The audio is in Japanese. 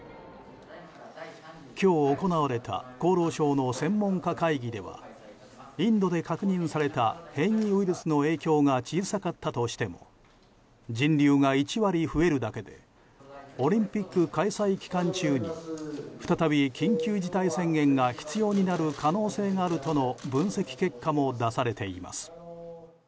今日行われた厚労省の専門家会議ではインドで確認された変異ウイルスの影響が小さかったとしても人流が１割増えるだけでオリンピック開催期間中に再び緊急事態宣言が必要になる可能性があるとの分析結果も出されています。